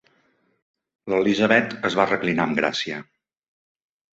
L'Elizabeth es va reclinar amb gràcia.